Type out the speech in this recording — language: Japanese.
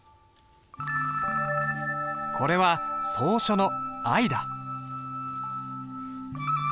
これは草書の「愛」だ。